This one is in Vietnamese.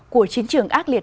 của chiến trường ác liệt